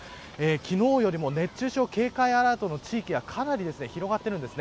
昨日よりも熱中症警戒アラートの地域はかなり広がっています。